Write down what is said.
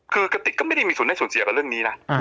คือกระติกก็ไม่ได้มีส่วนได้ส่วนเสียกับเรื่องนี้นะ